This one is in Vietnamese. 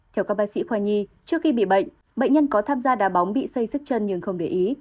theo các bác sĩ khoa nhi trước khi bị bệnh bệnh nhân có tham gia đá bóng bị xây sức chân nhưng không để ý